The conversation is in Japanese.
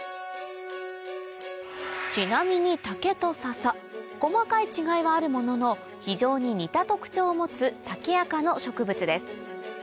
ちなみに竹と笹細かい違いはあるものの非常に似た特徴を持つタケ亜科の植物です